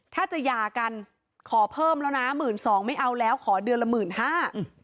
ถ้าจะหย่ากันขอเพิ่มแล้วนะหมื่นสองไม่เอาแล้วขอเดือนละหมื่นห้า